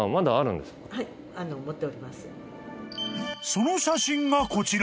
［その写真がこちら］